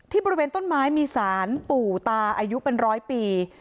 บริเวณต้นไม้มีสารปู่ตาอายุเป็นร้อยปี